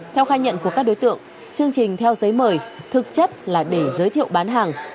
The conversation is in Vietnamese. theo khai nhận của các đối tượng chương trình theo giấy mời thực chất là để giới thiệu bán hàng